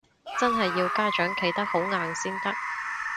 真係要家長企得好硬先得